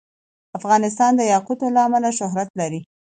افغانستان د یاقوت له امله شهرت لري.